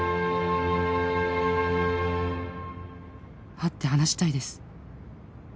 「会って話したいです」